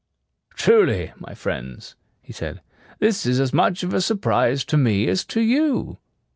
"] "Truly, my friends," he said, "this is as much of a surprise to me as to you."